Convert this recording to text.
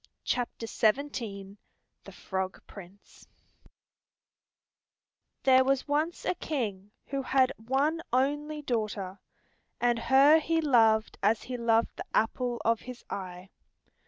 THE FROG PRINCE There was once a king who had one only daughter, and her he loved as he loved the apple of his eye.